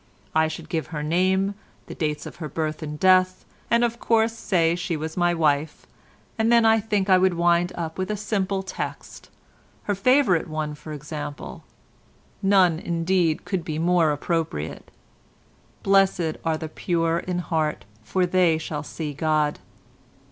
I should give her name, the dates of her birth and death, and of course say she was my wife, and then I think I should wind up with a simple text—her favourite one for example, none indeed could be more appropriate, 'Blessed are the pure in heart for they shall see God.